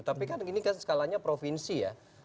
tapi kan gini kan skalanya provinsi ya